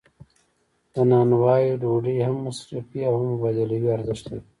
د نانوایی ډوډۍ هم مصرفي او هم مبادلوي ارزښت لري.